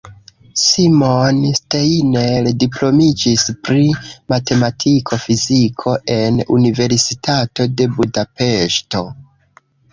Simon Steiner diplomitiĝis pri matematiko-fiziko en Universitato de Budapeŝto.